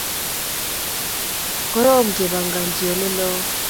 Korom kepanganji olelo